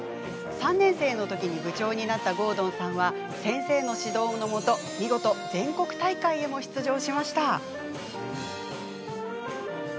３年生のときに部長になった郷敦さんは先生の指導のもと見事、全国大会へ出場しました。